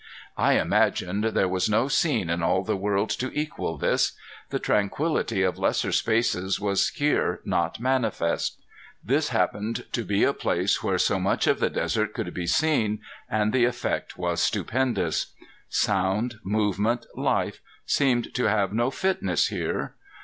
I imagined there was no scene in all the world to equal this. The tranquillity of lesser spaces was here not manifest. This happened to be a place where so much of the desert could be seen and the effect was stupendous Sound, movement, life seemed to have no fitness here.